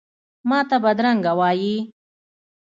ماته بدرنګه وایې،